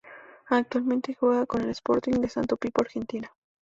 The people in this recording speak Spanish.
Actualmente juega en Sporting de Santo Pipo Argentina.